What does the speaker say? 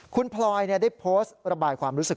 คุณพลอยได้โพสต์ระบายความรู้สึก